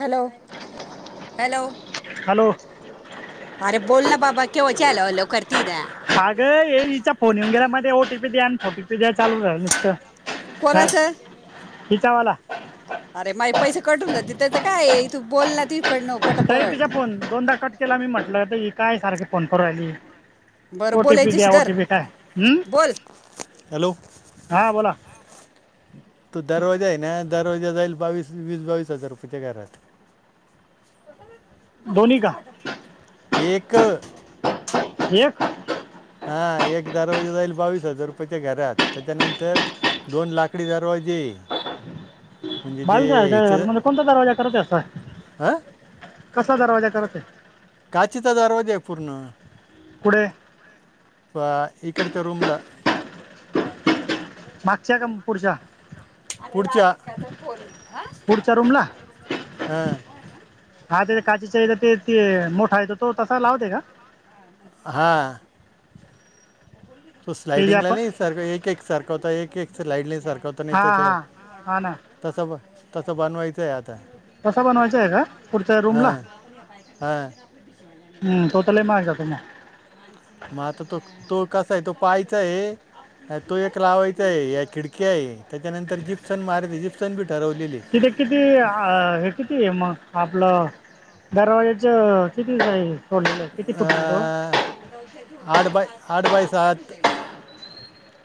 Hello hello hello अरे बोल ना बाबा, कवची हॅलो हलो करती. हागं ए हच्याचा फोन येऊन गेला मध्ये ओटीपी द्या आणि थोटीपी द्या चालू झाल नुसतं. काय कोणाचं हिचावाला. अरे माझ पैसे कटून जात त्याच कायथू बोलला त. त तुझ फोन दोनदा कट केला मी म्हटलं त काय सारखे फोन फ आली. बरं बोल ओटीपी यांच्याशी द्या धर ओटीपी काय हम् बोल हॅलो हा बोला. तो दरवाजा आहे ना दरवाजा जाईल बावीस वीस बावीस हजार रुपययाचे घरात. दोन्ही का एक. क. हा एक दारवाजे जाईल. बावीस हजार रुपयाच्या घरात त्याच्यानंतर दोन लाकडी दरवाजे. म्हणजे ते ह्याचे हार कोणता दरवाजा करत अस हां कसा दरवाजा करत आहे. काचेचा दरवाजा आहे पूर्ण पुढे. वा इकडंच्या रूमला. मागच्या का पुढच्या. पुढच्या रूमला हम [inaudible] हा ते काचेचा ते ते मोठा येतो तो तसा लावते का. हा. तो ते जे स्लाइडिंगला आपण सार एक एक सारखा होता एक एक स्लाइड ला सारखा हो. ता हा नाहीेत ते हा हा ना तसं ब तसं बनवायचं आहे आता. कसा बनवायचा आहे का ला. हा. तो तर लय महाग जातो मग. मग आता तो तो कसा आहे तो पाहायचा आहे. तो एक लावायचा आहे या खिडकी आहे त्याच्यानंतर जिप्सन मारत जिप्सन बी ठरवलेली. तिथे किती अ हे किती आहे मग आपलं, [inaudible] अं, आठ बाय आठ बाय सात.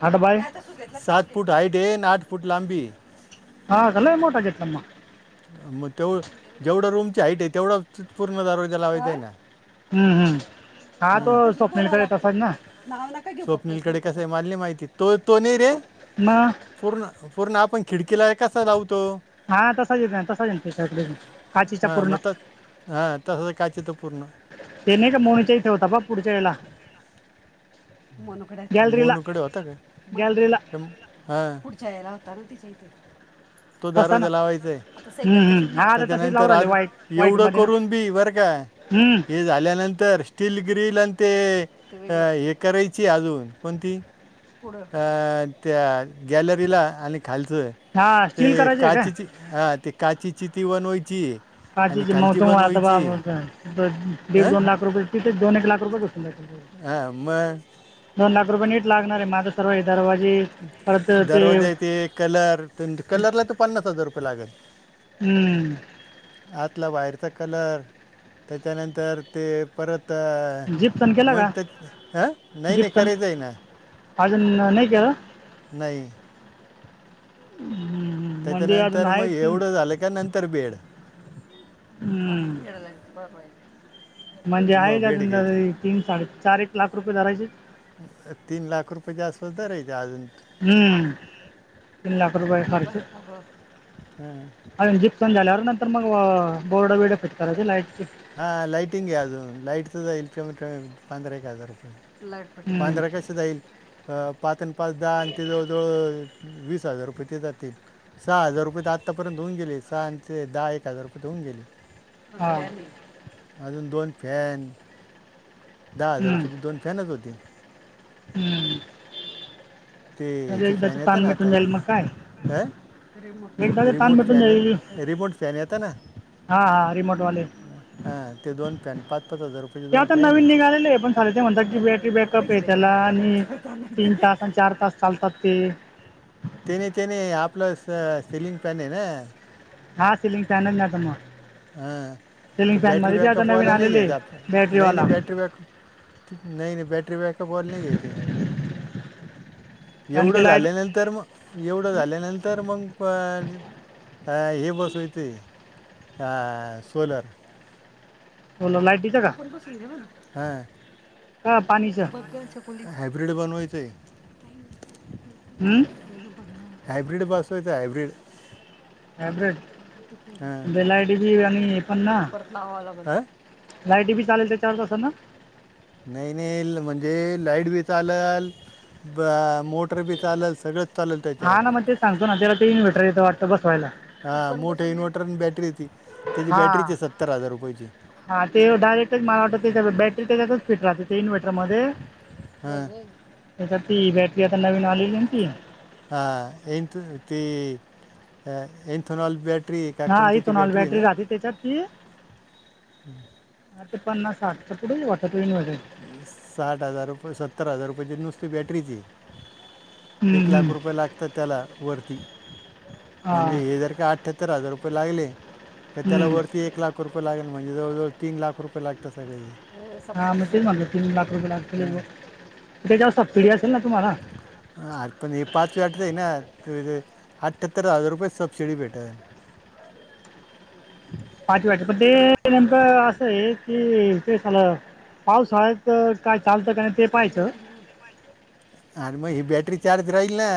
आठ बाय. आता सात फूट हाईट येन आठ फूट लांबी. हा का लय मोठा घेतला. मग जेवढं रूमची हाईट आहे तेवढा पूर्ण दरवाजा लावायचां आहे. हम्म हम्म हा तो स्वप्नीलकडे येतसा ना. स्वप्नीिलकडे कसं आहे माारली माहिती तो तो नाही रे. म. पूर्ण पुर्ण आपण खिडकीला कसा लावतो. हा तसाचेत तसाच काचेच्या हां पूर्ण. मग तस हां तसंच काच तर पूर्ण. ते नाहीच्या मोणीच्या इ ठेवता बा पुढच्या वेळेला. मोनुकडे मोनूकडे होता का म गॅलरीला हा पुढच्या याला होता ना तच्या इथ तो तसा ना दरवाजा. लावायचाय हम्म हम्म हा आता तसेच लावून च्यानंतर राहिले आज व्हाईट व्हाईट एवढं मध्ये ना करून बी बरं का हम्म हे झाल्यानंतर. तिल ग्रिल आणि ते हे, करायची अजून कोणती. पुढ अ त्या गॅलरीला आणि खालचंय. हा स्टील ते करायची आहे का काचीची हा ते, काचीची ती बनवायची. [unintelligible] आणि दीड खालची बनवायची हां दोन लाख रुपये तिथे, दोन एक लाख रुपये‌ [unintelligible] हा म. दोन लाख रुपये नीट लागणार आहे, माझं सर्व हे दरवाजे. परत ते दरवाजा ते, कलर कलरला तर पन्नास हजार रुपये लागलं. हम्म. आतला बाहेरचा कलर, त्याच्यानंतर ते परत. जिप्सन केलं का मग ह नाही नाही जिप्सन करायचं आहे ना. अजून नाही केला. नाही. हम हम. मग एवढं झालं नंतर बेड. हम्म, एड लाक्ष पवाय. म्हणजे आहे का अजून, तीन साडे चार एक लाख रुपये धरायचे. तीन लाख रुपयचा, आसपास धरायचं अजून. हम्म तीन लाख रुपये हे बा खर्च. अगं हां अ जीप प झाल्यावर नंतर मग बोर्ड बिड फिट करायचे लाईटची. हां लाईटिंगे याऊ लाईट तर इल किलोमीट्रे पधरा एक हजार रुपये. हम्म, [inaudible] जाईल पाच आणि पाच दहा ते जवळ जवळ वीस रुपये ते जातील सहा हजार रुपये ते आत्तापर्यंत होऊन गेले, सहा आणि ते दहा एक हजार रुपये ते होऊन गेले. हा [unintelligible] अजून दोन फॅन दहा हजार हम्म, रुपयची दोन फॅनच होती हम्म. ते म्हणजे हचे एकदाचं फॅन येत ताण ना मिटून आता जाईल मग काय अ. एकदाचं ताण रिमोट मिटून फॅन जाईल य रिमोट फॅन येत ना. हा हा रिमोटवाले हां, ते दोन फॅन पाच पाच हजार रुपये. तेव्हा ते नवीन निघालेलं आहे. पण साले ते म्हणतात की, बॅटरी फॅनवाल्याला कुठे बॅकअप पैसे आहे त्याला द्यायचे तुम्हाला आणि. उतरत तीन आणायचे तास आणि चार तास चालतात ते. ते नाही ते नाही, आपलं स सिलिंग फॅन आहे ना. सिलिंग फॅन आहे ना ग मग. ह सिलिंग तर बॅटरी फॅनमध्ये बी आता नवीन बॅकअपवाला नाही आलेले आहे नाही बॅटरीवाला नाही बॅटरी बॅकअप. नाही नाही बॅटरी बॅकअपवाल नाही घ ते कारण की एवढं लाईट झाल्यानंतर. तर मग एवढं झाल्यानंतर मग हे बसवायचं आहे. हा सोोलर. होईट. तू पण सांगेला ना. हा पाणी. हायब्रीड बनवायचंय. हमम. होयत हाब्रिड. हायब्रिड ते लाईटी बी बुल आणि हे पण ना परत नावाला ब. लाईटी बी चालतं तेच्यावर असलना. नाही नाही म्हणजे लाईट बी चालेल मोटर बी चालेल सगळं. हा ना मग ते सांगतो ना त्याला ते इनवर्टर येतं वातं बसवायला. हा मोठे इन्व्हर्टर आणि बॅटरी होती त्याची हा बॅटरीची सत्तर हजार रुपयाेची. हा ते डायरेक्टच मला वाटत त्याच्या बॅटरी त्याच्यात. च फिट राहते ते इन्व्हर्टरमध्येध्ये हम्. त्या ती बॅटरी आता नवीनॉलीतीी. ह एथ ती एंथनॉल बेट ना आई तोणाल बॅटरी राहते त्याच्यात ती. आ ते पन्नास आठ तर पुढे वाट इन वगैरे. साठ हजार रुपये सत्तर हजार रुपयाची नुसती बॅटरीची. हम्म एक लाख हम्म रुपये लागतात त्याला वरती. हा म्हणजे हे जर का अठठ्यात्तर हजार रुपये लागले तर. त्याला हम्म वरती एक लाख रुपये लागल म्हनजे जवळवळ तीन रुपय लागतात सगंळ हा मग तीन लाख रुपये लाख के बघ हां त्याच्यास्ता फिढी असेल ना तुम्हाला आ पण हे पाच व आटत आहे ना अठ्यात्तर हजार रुपये सबसिडी भेट पाच व्याचे पण ते नेमकं असं आहे कि ते झाल. पावसाळ्यात काय चालतं काय आणि मग ही बॅटरी चार्ज राहील ना.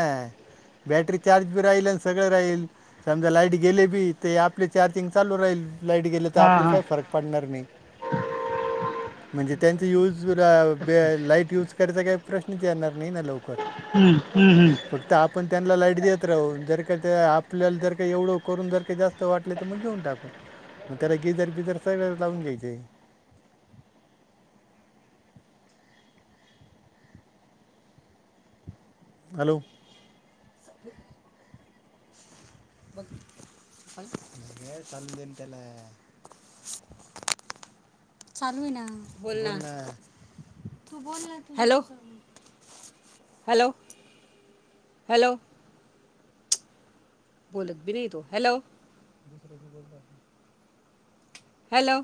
बॅटरी चार्ज बी राहील आणि सगळं राहील. समजा लाईट गेले बी ते आपले चार्जिंग चालू राहील. लाईट गे तर हां आपल्याला हां काही फरक पडणार नाही म्हणजे त्यां यज. ते लाईट युज करायचा काही प्रश्नच येणार नाही ना लवकर. हम्म हम्म हम्म फक्त आपण त्यांना लाईट देत राहू जर का आपल्याला जर का एवढं करून जर का जास्त. वाटले तर मग घेऊन टाकू मग त्याला गिजर बिजर सगळ्या लावून घ्यायचे. हॅलो! [inaudible] चालू आहे ना बोल ना तू बोल. हॅलो! Hello hello. बोलत बी नाही तो हॅलो. हॅलो.